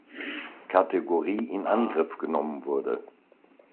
Kategorie in Angriff genommen wurde.